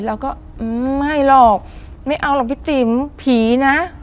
เราก็ไม่หรอกไม่เอาหรอกพี่ติ๋มผีนะ